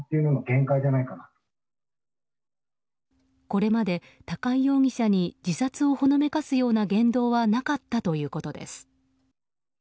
これまで高井容疑者に自殺をほのめかすような言動はなかったということです。